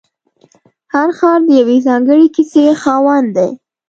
هر ښار د یوې ځانګړې کیسې خاوند دی.